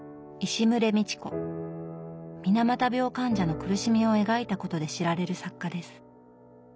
水俣病患者の苦しみを描いたことで知られる作家です。